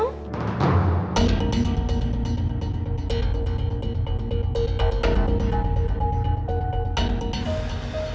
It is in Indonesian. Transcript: terima kasih mas